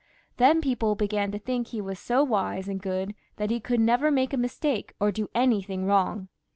Then people began to think that he was so wise and good that he could never make a mistake or do anything wrong.